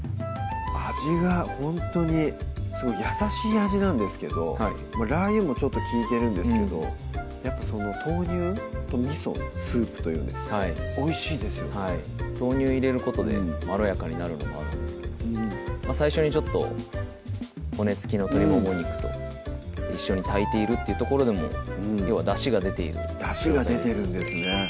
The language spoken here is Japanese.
味がほんとに優しい味なんですけどラー油もちょっと利いてるんですけどやっぱ豆乳とみそのスープというおいしいですよね豆乳入れることでまろやかになるのもあるんですが最初に骨付きの鶏もも肉と一緒に炊いているっていうところでも要はだしが出ているだしが出てるんですね